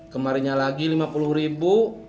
kemarin lagi rp lima puluh